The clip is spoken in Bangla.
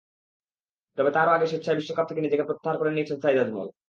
তবে তারও আগে স্বেচ্ছায় বিশ্বকাপ থেকে নিজেকে প্রত্যাহার করে নিয়েছিলেন সাঈদ আজমল।